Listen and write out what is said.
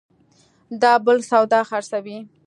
دا بل سودا خرڅوي